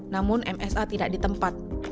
namun msa tidak di tempat